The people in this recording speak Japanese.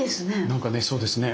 なんかねそうですね。